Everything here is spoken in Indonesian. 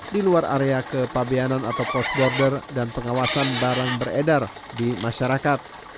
di luar area kepabianan atau post border dan pengawasan barang beredar di masyarakat